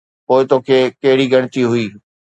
پوءِ توکي ڪهڙي ڳڻتي هئي؟